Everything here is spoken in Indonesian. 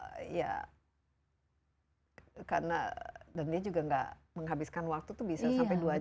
padahal ya karena dan dia juga gak menghabiskan waktu tuh bisa sampai dua jam